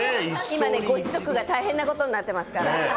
今ねご子息が大変な事になってますから。